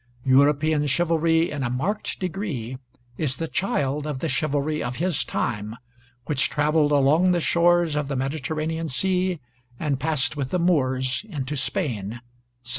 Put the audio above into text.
European chivalry in a marked degree is the child of the chivalry of his time, which traveled along the shores of the Mediterranean Sea and passed with the Moors into Spain (710).